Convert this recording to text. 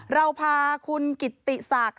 เราพาคุณกิตติศักดิ์